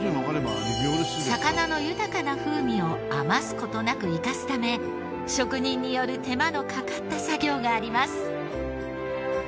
魚の豊かな風味を余す事なく生かすため職人による手間のかかった作業があります。